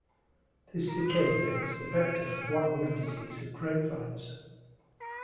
This cicada is the vector for black wood disease of grapevines.